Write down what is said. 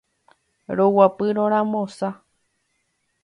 roguapy rorambosa